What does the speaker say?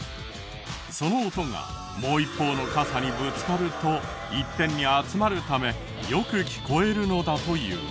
その音がもう一方の傘にぶつかると一点に集まるためよく聞こえるのだという。